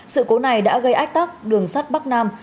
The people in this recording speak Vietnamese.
sự cố này đã gây ách tắc đường sắt bắc nam